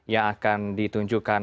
yang akan ditunjukkan